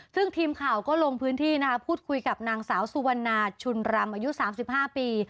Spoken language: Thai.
ซึ่งทีมข่าวก็ลงพื้นที่พูดคุยกับนางสาวสุวรรณาชุนรำอายุ๓๕ปี